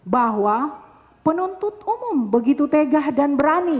bahwa penuntut umum begitu tegah dan berani